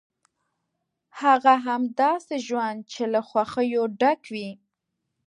هغه هم داسې ژوند چې له خوښیو ډک وي.